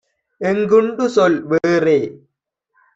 எங்குண்டு சொல் வேறே?